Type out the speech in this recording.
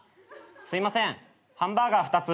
すいませんハンバーガー２つ。